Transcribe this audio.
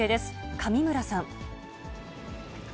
上村さん。